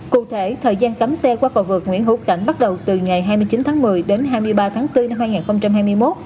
cụ thể thời gian cấm xe qua cầu vượt nguyễn hữu cảnh bắt đầu từ ngày hai mươi chín tháng một mươi đến hai mươi ba tháng bốn năm hai nghìn hai mươi một